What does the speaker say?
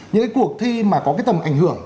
những cái cuộc thi mà có cái tầm ảnh hưởng